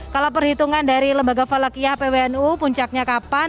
kalau perhitungan dari lembaga falakiyah pwnu puncaknya kapan